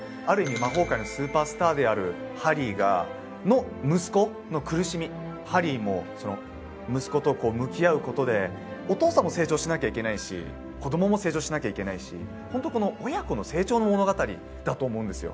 魔法界のスーパースターであるハリーの息子の苦しみハリーも息子と向き合うことでお父さんも成長しなきゃいけないし子供も成長しなきゃいけないしホントこの親子の成長の物語だと思うんですよ